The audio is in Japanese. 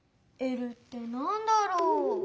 「Ｌ」ってなんだろう？